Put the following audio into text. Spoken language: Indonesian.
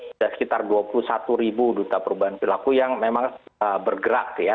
sudah sekitar dua puluh satu ribu duta perubahan perilaku yang memang bergerak ya